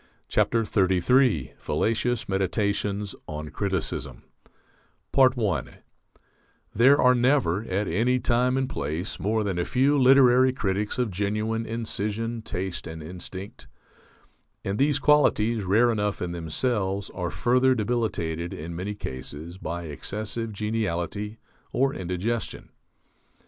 FALLACIOUS MEDITATIONS ON CRITICISM I There are never, at any time and place, more than a few literary critics of genuine incision, taste, and instinct; and these qualities, rare enough in themselves, are further debilitated, in many cases, by excessive geniality or indigestion.